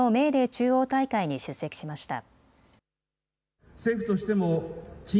中央大会に出席しました。